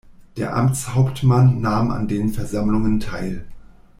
Der Amtshauptmann nahm an den Versammlungen teil.